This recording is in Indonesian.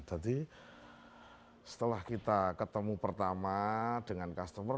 jadi setelah kita ketemu pertama dengan customer